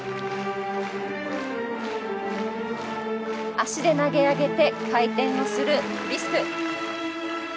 足で投げ上げて回転をするリスク。